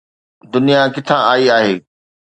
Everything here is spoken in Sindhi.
دنيا ڪٿان آئي آهي؟